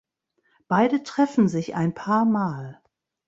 Beide treffen sich ein paar Mal.